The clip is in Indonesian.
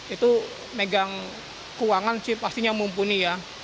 itu megang keuangan sih pastinya mumpuni ya